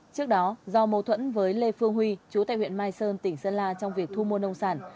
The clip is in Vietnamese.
trước đó do mâu thuẫn với lê phương huy chú tại huyện mai sơn tỉnh sơn la trong việc thu mua nông sản